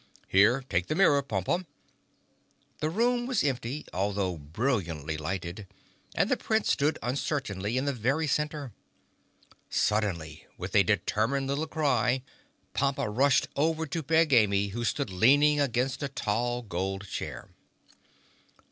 "Here, take the mirror, Pompa." The room was empty, although brilliantly lighted, and the Prince stood uncertainly in the very center. Suddenly, with a determined little cry, Pompa rushed over to Peg Amy, who stood leaning against a tall gold chair.